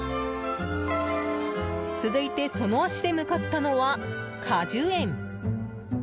続いてその足で向かったのは、果樹園。